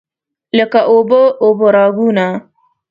لکه اوبه، اوبه راګونه